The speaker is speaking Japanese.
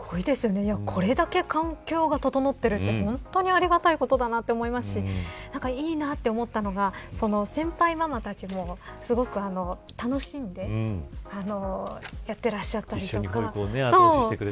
これだけ環境が整ってるってありがたいことだと思いますしいいなと思ったのが先輩ママたちもすごく楽しんでやってらっしゃったりとか。